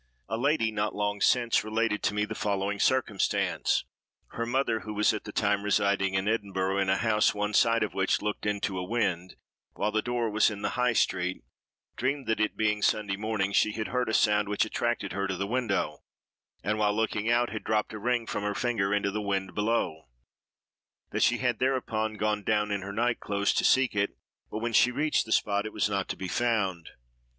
A lady, not long since, related to me the following circumstance: Her mother, who was at the time residing in Edinburgh, in a house one side of which looked into a wynd, while the door was in the High street, dreamed that, it being Sunday morning, she had heard a sound which attracted her to the window; and, while looking out, had dropped a ring from her finger into the wynd below; that she had, thereupon, gone down in her night clothes to seek it, but when she reached the spot it was not to be found.